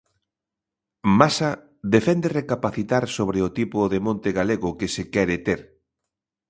Masa defende recapacitar sobre o tipo de monte galego que se quere ter.